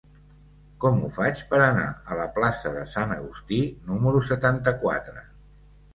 Com ho faig per anar a la plaça de Sant Agustí número setanta-quatre?